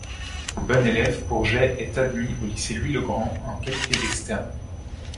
Bon élève, Bourget est admis au lycée Louis-le-Grand en qualité d’externe.